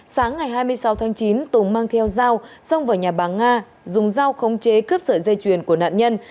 sáng ngày hai mươi sáu tháng chín tùng mang theo dao xông vào nhà bà nga dùng dao khống chế cướp sợi dây chuyền của nạn nhân